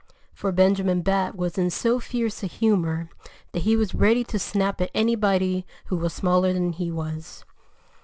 For Benjamin Bat was in so fierce a humor that he was ready to snap at anybody who was smaller than he was.